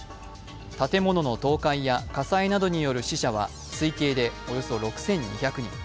建物の倒壊や火災などによる死者は推計でおよそ６２００人。